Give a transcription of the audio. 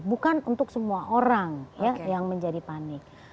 bukan untuk semua orang yang menjadi panik